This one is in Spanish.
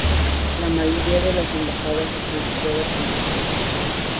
La mayoría de las embajadas están situadas en esta zona.